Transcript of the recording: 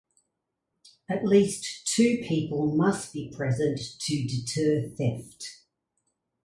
At least two people must be present to deter theft.